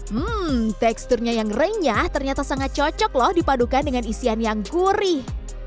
hmm teksturnya yang renyah ternyata sangat cocok loh dipadukan dengan isian yang gurih